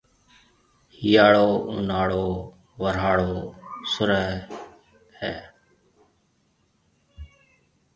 ھيَََاݪو، اُوناݪو، ورھاݪو، سرءِ ھيََََ